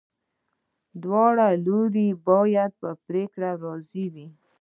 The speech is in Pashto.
دواړه لوري باید په پریکړه راضي وي.